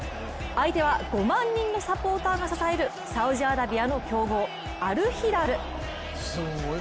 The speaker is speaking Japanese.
相手は５万人のサポーターが支えるサウジアラビアの強豪アルフィラル。